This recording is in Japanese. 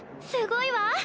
すごいわ。